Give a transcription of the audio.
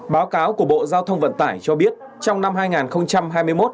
báo cáo của bộ giao thông vận tải cho biết trong năm hai nghìn hai mươi một